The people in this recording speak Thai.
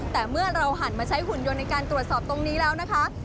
แต่เมื่อเราหันมาใช้หุ่นยนต์ในการตรวจสอบตรงนี้แล้วนะคะ